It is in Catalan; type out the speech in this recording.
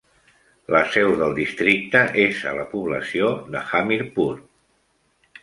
La seu del districte és a la població de Hamirpur.